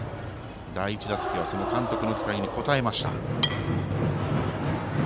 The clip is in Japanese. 第１打席は、その監督の期待に応えました。